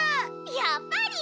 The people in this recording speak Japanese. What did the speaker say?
やっぱり。